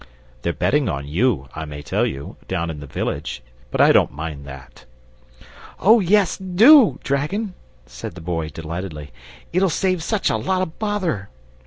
They're betting on you, I may tell you, down in the village, but I don't mind that!" "Oh, yes, DO, dragon," said the Boy, delightedly; "it'll save such a lot of bother!"